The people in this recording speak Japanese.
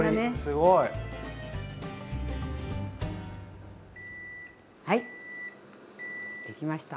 すごい！はいできました。